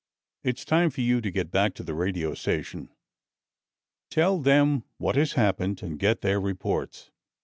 It's time for you to get back to the radio station. Tell them what has happened and get their reports.